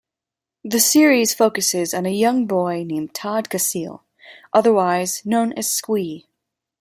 The series focuses on a young boy named Todd Casil, otherwise known as Squee.